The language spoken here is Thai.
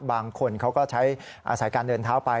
บางคนเขาก็ใช้สายการเดินเท้าไป